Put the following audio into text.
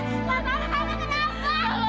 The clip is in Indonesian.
aku gak hamil